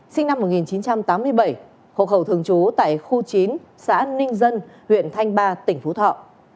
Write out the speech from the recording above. sinh năm một nghìn chín trăm tám mươi bảy hộ khẩu thường trú tại khu chín xã ninh dân huyện thanh ba tỉnh phú thọ